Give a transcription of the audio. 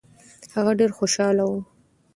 هغه ډېر خوشاله و.